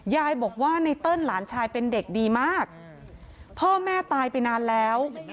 ยายบอกว่าไนเติ้ลหลานชายเป็นเด็กดีมากพ่อแม่ตายไปนานแล้ว